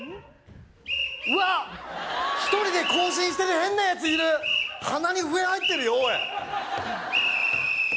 うわ１人で行進してる変なやついる鼻に笛入ってるよおい